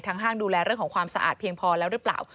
ห้างดูแลเรื่องของความสะอาดเพียงพอแล้วหรือเปล่า